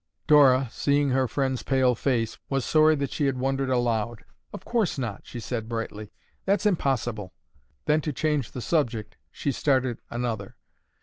Dora, seeing her friend's pale face, was sorry that she had wondered aloud. "Of course not!" she said brightly. "That's impossible!" Then to change the subject, she started another.